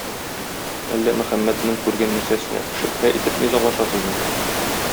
Әллә Мөхәммәднең күргән нәрсәсенә шөбһә итеп низаглашасызмы?